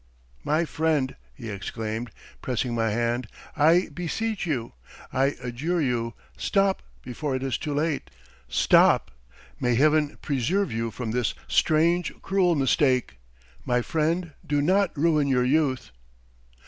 "'My friend!' he exclaimed, pressing my hand. 'I beseech you, I adjure you: stop before it is too late. Stop! May Heaven preserve you from this strange, cruel mistake! My friend, do not ruin your youth!'